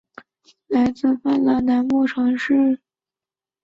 坦佩雷的命名来自于芬兰南部城市坦佩雷。